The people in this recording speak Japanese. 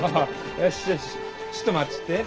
よしよしちっと待っちょって。